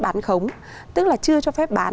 bán khống tức là chưa cho phép bán